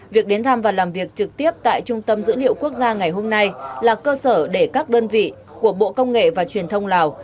việc đến thăm và làm việc trực tiếp tại trung tâm dữ liệu quốc gia ngày hôm nay là cơ sở để các đơn vị của bộ công nghệ và truyền thông lào